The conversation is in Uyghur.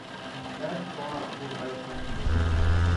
مەن شۇڭا بۇ راي سىناشنى يوللىدىم.